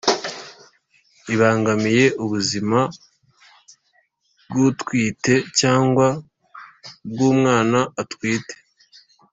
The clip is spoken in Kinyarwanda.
ibangamiye ubuzima bw’utwite cyangwa ubw’umwana atwite.